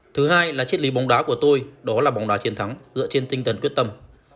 thứ hai là chiếc lý bóng đá của tôi đó là bóng đá chiến thắng dựa trên tinh thần quyết tâm